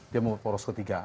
dia membuat poros ketiga